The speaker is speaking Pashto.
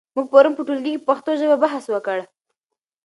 موږ پرون په ټولګي کې په پښتو ژبه بحث وکړ.